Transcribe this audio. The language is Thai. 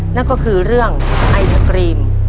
นั่นก็คือเรื่องไอศกรีม